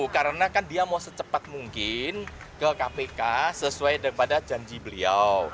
karena kan dia mau secepat mungkin ke kpk sesuai dengan janji beliau